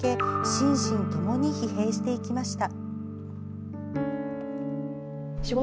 心身ともに疲弊していきました。